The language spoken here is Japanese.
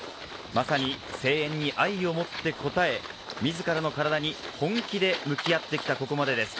まさに声援に愛をもって応え、みずからの体に本気で向き合ってきたここまでです。